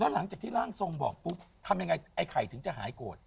หลังจากที่ร่างทรงบอกปุ๊บทำยังไงไอ้ไข่ถึงจะหายโกรธ